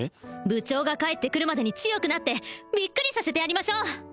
部長が帰ってくるまでに強くなってびっくりさせてやりましょう！